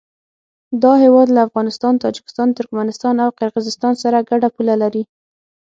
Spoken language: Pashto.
دا هېواد له افغانستان، تاجکستان، ترکمنستان او قرغیزستان سره ګډه پوله لري.